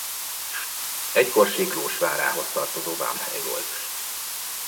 Egykor Siklós várához tartozó vámhely volt.